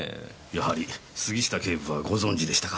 やはり杉下警部はご存じでしたか。